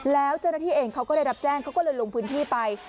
แล้วเจ้าหน้าที่เองเขาก็ได้รับแจ้งเขาก็เลยลงพื้นที่ไป